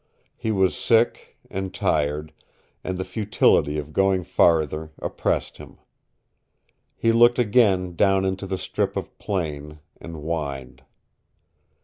He was sick and tired, and the futility of going farther oppressed him. He looked again down into the strip of plain, and whined.